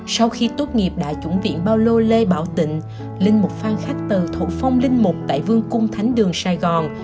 sau khi tuốt nghiệp đại chủng viện bao lô lê bảo tịnh linh mục phan khách từ thủ phong linh mục tại vương cung thánh đường sài gòn